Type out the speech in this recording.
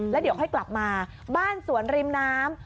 แล้วเดี๋ยวค่อยกลับมาบ้านสวนริมน้ำ